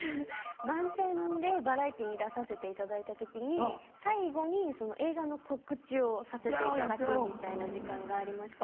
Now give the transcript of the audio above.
番宣でバラエティーに出させていただいた時に最後に映画の告知をさせていただくみたいな時間がありまして。